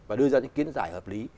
và đưa ra những kiến giải hợp lý